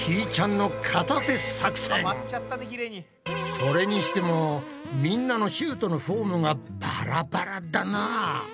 それにしてもみんなのシュートのフォームがバラバラだな。